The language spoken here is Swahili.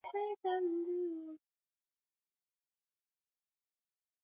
Afrika ya Mashariki Kiajemi pia kilichangia maneno